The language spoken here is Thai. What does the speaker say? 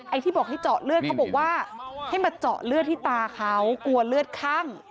ที่บอกให้เจาะเลือดเขาบอกว่าให้มาเจาะเลือดที่ตาเขากลัวเลือดคั่ง